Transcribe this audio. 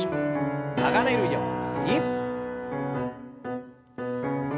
流れるように。